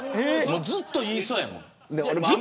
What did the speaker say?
ずっと言いそうやもん。